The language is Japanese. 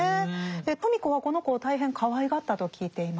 芙美子はこの子を大変かわいがったと聞いています。